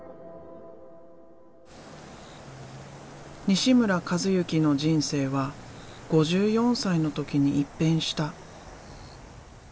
西村一幸の人生は５４歳の時に一変した。